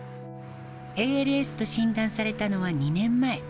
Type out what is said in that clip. ＡＬＳと診断されたのは２年前。